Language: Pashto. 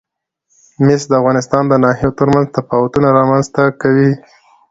مس د افغانستان د ناحیو ترمنځ تفاوتونه رامنځ ته کوي.